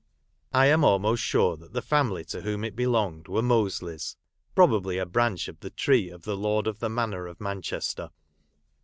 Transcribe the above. [ am almost sure that the family to whom it Delonged were Mosleys, probably a branch of Aie tree of the lord of the Manor of Man hester.